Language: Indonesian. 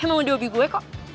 emang udah obi gue kok